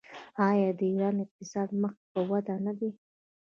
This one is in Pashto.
آیا د ایران اقتصاد مخ په وده نه دی؟